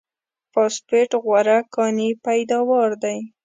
فاسفېټ غوره کاني پیداوار دی.